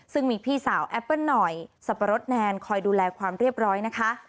ซึ่งมีพี่สาวแอปเปิ้ลหน่อยสับปะรดแนนคอยดูแลความเรียบร้อยนะคะ